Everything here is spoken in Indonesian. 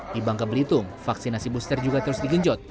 di bangka belitung vaksinasi booster juga terus digenjot